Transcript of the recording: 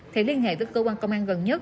thì liên hệ với cơ quan công an gần nhất